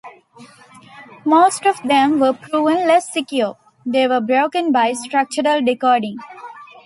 Most of them were proven less secure; they were broken by structural decoding.